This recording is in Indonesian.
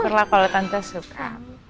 syukurlah kalau tante suka